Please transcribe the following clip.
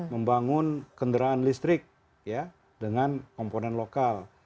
membangun kendaraan listrik dengan komponen lokal